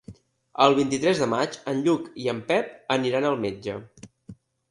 El vint-i-tres de maig en Lluc i en Pep aniran al metge.